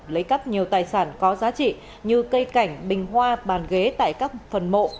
lấy cắp nhiều tài sản có giá trị như cây cảnh bình hoa bàn ghế tại các phần mộ